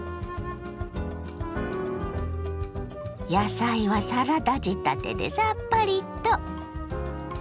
野菜はサラダ仕立てでさっぱりと。